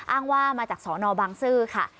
อ้างว่ามาจากสนบังซื้อค่ะ